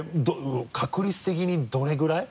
確率的にどれぐらい？